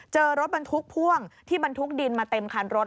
เจอรถบรรทุกพ่วงที่บรรทุกดินมาเต็มคันรถ